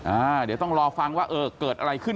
อ่าเดี๋ยวต้องรอฟังว่าเออเกิดอะไรขึ้น